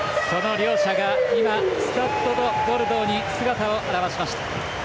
その両者がスタッド・ド・ボルドーに姿を現しました。